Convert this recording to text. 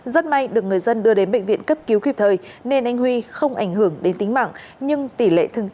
rất may được người dân đưa đến bệnh viện cấp cứu khiếp thời nên anh huy không ảnh hưởng đến tính mạng nhưng tỷ lệ thương tật sáu mươi